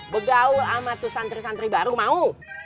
satu santri santri baru mau